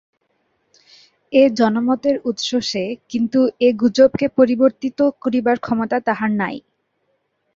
এই জনমতের উৎস সে, কিন্তু এ গুজবকে পরিবর্তিত করিবার ক্ষমতা তাহার নাই।